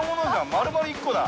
丸々１個だ。